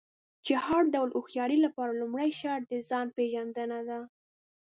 چې د هر ډول هوښيارۍ لپاره لومړی شرط د ځان پېژندنه ده.